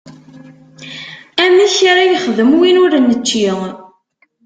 Amek ara yexdem win ur nečči?